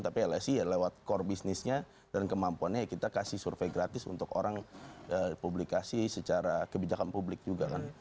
tapi lsi ya lewat core bisnisnya dan kemampuannya kita kasih survei gratis untuk orang publikasi secara kebijakan publik juga kan